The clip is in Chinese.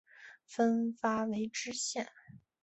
分发为知县。